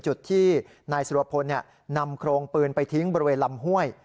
จุดที่นายสุรพลนำโครงปืนไปทิ้งบริเวณลำห้วย